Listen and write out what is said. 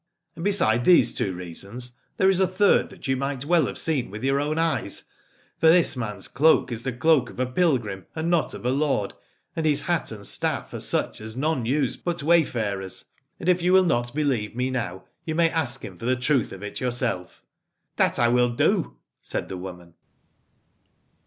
And beside these two reasons, there is a third that you might well have seen with your own eyes, for this man's cloak is the cloak of a pilgrim and not of a lord, and his hat and staff are such as none use but wayfarers. And if you will not believe me B 17 Aladore now, you may ask him for the truth of it yourself. That will I do, said the woman.